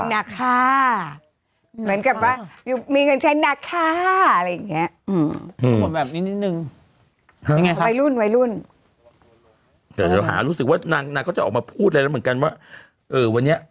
เหมือนกับว่ามีเงินใช้หนักค่าอะไรอย่างเงี้ย